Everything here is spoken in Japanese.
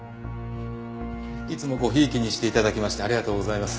いつもごひいきにして頂きましてありがとうございます